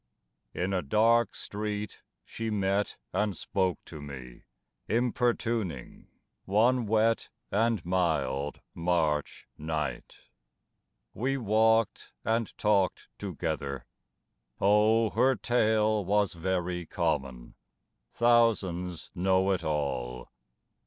In a dark street she met and spoke to me, Importuning, one wet and mild March night. We walked and talked together. O her tale Was very common; thousands know it all!